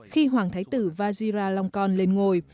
khi hoàng thái tử vizira long kong lên ngôi